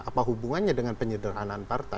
apa hubungannya dengan penyederhanaan partai